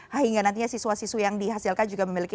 sehingga nantinya siswa siswa yang dihasilkan juga memiliki